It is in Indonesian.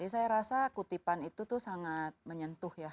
jadi saya rasa kutipan itu tuh sangat menyentuh ya